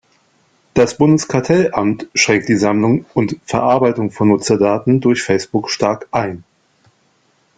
Das Bundeskartellamt schränkt die Sammlung und Verarbeitung von Nutzerdaten durch Facebook stark ein.